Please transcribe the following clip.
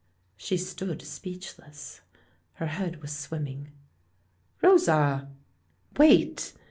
She stood speechless. Her head was swim ming. "Rosa!" "Wait!"